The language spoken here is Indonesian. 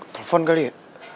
telephone kali ya